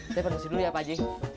ntar di situ ya paji